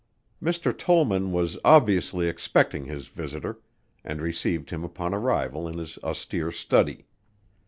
Mr. Tollman was obviously expecting his visitor, and received him upon arrival in his austere study.